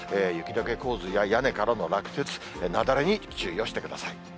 雪どけ洪水や、屋根からの落雪、雪崩に注意をしてください。